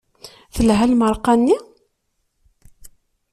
Telha lmeṛqa-nni?